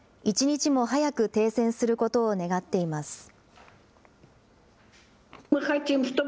一日も早く停戦することを願っています。